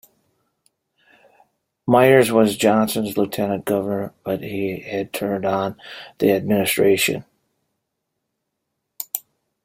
Myers was Johnson's lieutenant governor, but he had turned on the administration.